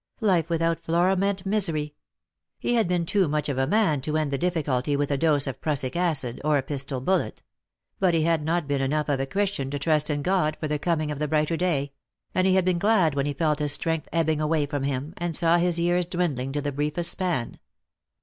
Life without Flora meant misery. He had been too much of a man to end the difficulty with a dose of prussic acid or a pistol bullet ; but he had not been enough of a Chris tian to trust in God for the coming of the brighter day ; and he had been glad when he felt his strength ebbing away from him, and saw his years dwindling to the briefest span.